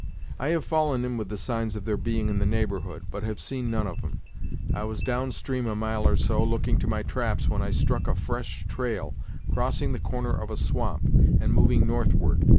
"I have fallen in with the signs of their being in the neighborhood, but have seen none of 'em. I was down stream a mile or so, looking to my traps, when I struck a fresh trail, crossing the corner of a swamp, and moving northward.